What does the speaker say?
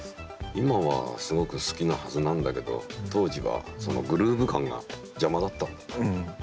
今はすごく好きなはずなんだけど当時はそのグルーブ感が邪魔だったんだね。